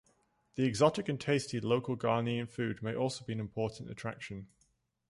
The exotic and tasty local Ghanaian food may also be an important attraction.